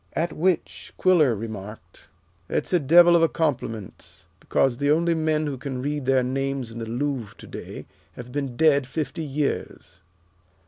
At which Quiller remarked, "That is a devil of a compliment, because the only men who can read their names in the Louvre to day have been dead fifty years."